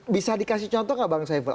bisa dikasih contoh nggak bang saiful